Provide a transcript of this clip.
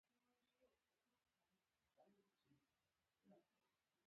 موږ مظلوم او محاصره شوي یو.